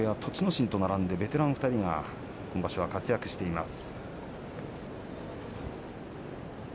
心と並んでベテラン２人が今場所は活躍しています。